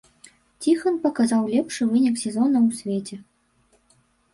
Ціхан паказаў лепшы вынік сезона ў свеце.